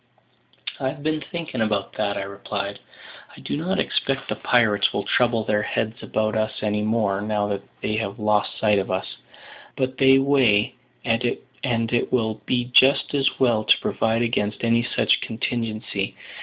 "I've been thinking about that," I replied. "I do not expect the pirates will trouble their heads about us any more, now that they have lost sight of us; but they way, and it will be just as well to provide against any such contingency.